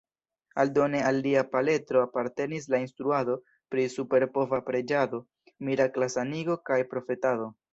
Aldone al lia paletro apartenis la instruado pri superpova preĝado, mirakla sanigo kaj profetado.